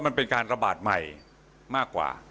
มันเป็นการระบาดใหม่มากกว่า